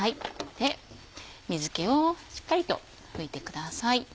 水気をしっかりと拭いてください。